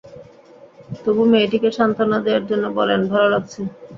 তবু মেয়েটিকে সান্তনা দেয়ার জন্যে বলেন, ভালো লাগছে।